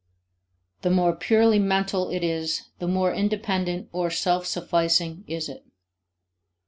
The more purely mental it is, the more independent or self sufficing is it.